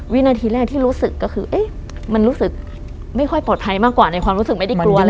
วินาทีแรกที่รู้สึกก็คือเอ๊ะมันรู้สึกไม่ค่อยปลอดภัยมากกว่าในความรู้สึกไม่ได้กลัวอะไร